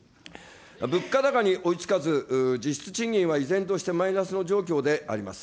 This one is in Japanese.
物価高に追いつかず、実質賃金は依然としてマイナスの状況であります。